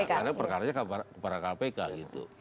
karena perkara perkara kpk gitu